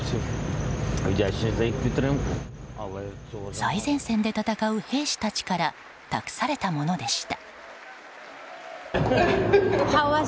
最前線で戦う兵士たちから託されたものでした。